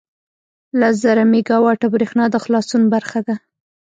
لس زره میګاوټه بریښنا د خلاصون برخه ده.